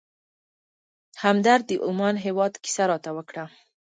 همدرد د عمان هېواد کیسه راته وکړه.